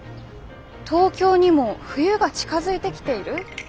東京にも冬が近づいてきている？